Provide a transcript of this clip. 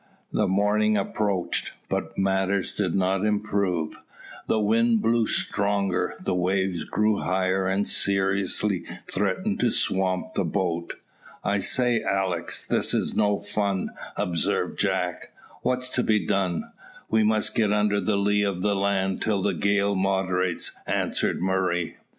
The morning approached, but matters did not improve; the wind blew stronger; the waves grew higher and seriously threatened to swamp the boat. "I say, Alick, this is no fun," observed Jack. "What's to be done?" "We must get under the lee of the land till the gale moderates," answered Murray.